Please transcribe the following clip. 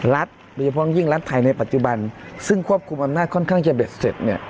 โดยเฉพาะยิ่งรัฐไทยในปัจจุบันซึ่งควบคุมอำนาจค่อนข้างจะเด็ดเสร็จเนี่ย